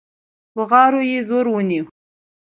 بغارو يې زور ونيو.